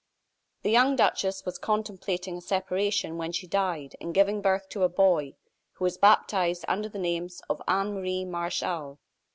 The young duchess was contemplating a separation when she died, in giving birth to a boy, who was baptized under the names of Anne Marie Martial.